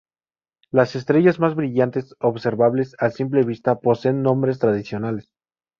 Las estrellas más brillantes observables a simple vista poseen nombres tradicionales.